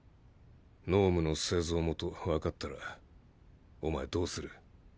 脳無の製造元わかったらおまえどうする？